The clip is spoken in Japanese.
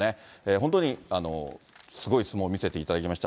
本当にすごい相撲を見せていただきました。